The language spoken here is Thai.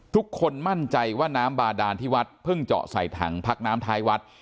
ทุกคนมั่นใจว่าน้ำบาดานที่วัดเพิ่งเจาะใส่ถังพักน้ำท้ายวัด